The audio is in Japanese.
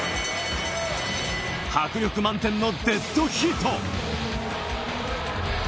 迫力満点のデッドヒート。